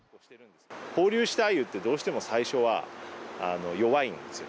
放流したアユって、どうしても最初は弱いんですよ。